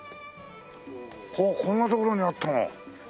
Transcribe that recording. こんな所にあったの。